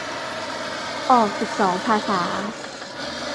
ออกสิบสองภาษา